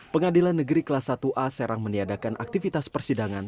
pengadilan negeri kelas satu a serang meniadakan aktivitas persidangan